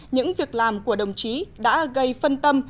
những việc làm của đồng chí đã gây phân tâm